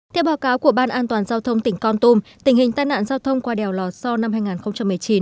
theo báo cáo của ban an toàn giao thông tỉnh con tôm tình hình tai nạn giao thông qua đèo lò so năm hai nghìn một mươi chín